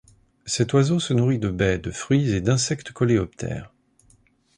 Cet oiseau se nourrit de baies, de fruits et d'insectes coléoptères.